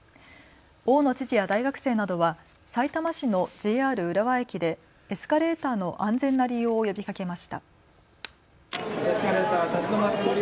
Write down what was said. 大野知事や大学生などはさいたま市のＪＲ浦和駅でエスカレーターの安全な利用を呼びかけました。